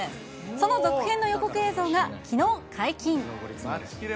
その続編の予告映像が、きのう解禁。